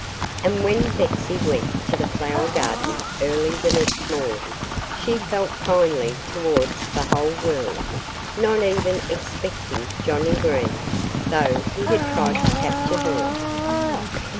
And when Betsy went to the flower garden early the next morning she felt kindly towards the whole world, not even excepting Johnnie Green, though he had tried to capture her.